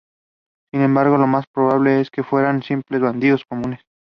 Sin embargo, lo más probable es que fueran simples bandidos comunes.